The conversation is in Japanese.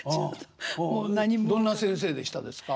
どんな先生でしたですか？